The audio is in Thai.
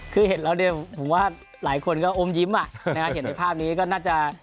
คือเห็นแล้วเนี่ยผมว่าหลายคนก็อมยิ้มเห็นในภาพนี้ก็น่าจะ